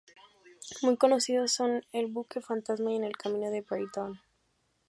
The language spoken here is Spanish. Muy conocidos son "El buque fantasma" y "En el camino de Brighton".